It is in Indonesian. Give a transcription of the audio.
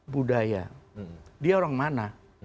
budaya dia orang mana